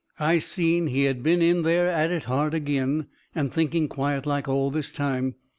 I seen he had been in there at it hard agin, and thinking, quiet like, all this time.